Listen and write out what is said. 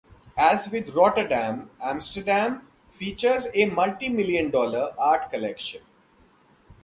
As with "Rotterdam", "Amsterdam" features a multi-million dollar art collection.